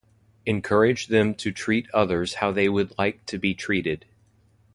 Encourage them to treat others how they would like to be treated.